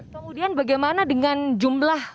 kemudian bagaimana dengan jumlah